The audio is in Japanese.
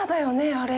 あれ。